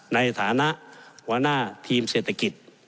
ในฐานะหัวหน้าทีมเศรษฐกิจ